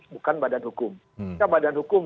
bukan badan hukum kita badan hukum